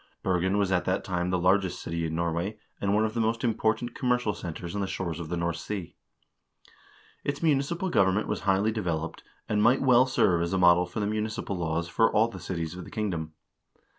Bergen was at that time the largest city in Norway, and one of the most important commercial centers on the shores of the North Sea. Its municipal government was highly developed, and might well serve as a model for the municipal laws for all the cities of the kingdom.